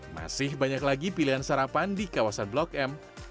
masih banyak lagi pilihan sarapan di kawasan blok m